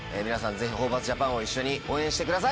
ぜひホーバスジャパンを一緒に応援してください。